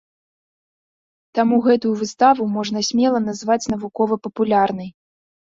Таму гэтую выставу можна смела назваць навукова-папулярнай.